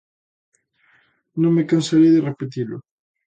Non me cansarei de repetilo.